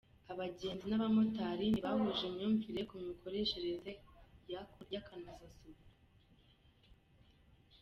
Abagenzi n’abamotari ntibahuje imyumvire ku mikoreshereze y’akanozasuku